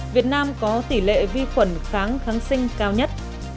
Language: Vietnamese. việt nam có tỷ lệ vi khuẩn kháng kháng sinh cao nhất